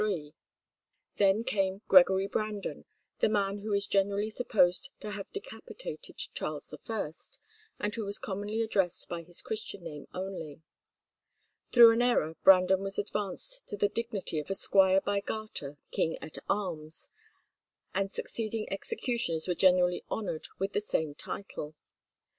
Then came Gregory Brandon, the man who is generally supposed to have decapitated Charles I, and who was commonly addressed by his Christian name only. Through an error Brandon was advanced to the dignity of a squire by Garter, king at arms, and succeeding executioners were generally honoured with the same title.